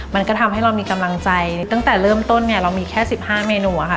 มันก็ทำให้เรามีกำลังใจตั้งแต่เริ่มต้นเนี่ยเรามีแค่๑๕เมนูอะค่ะ